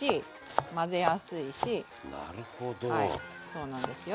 そうなんですよ。